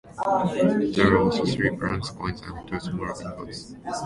There were also three blank coins and two small ingots.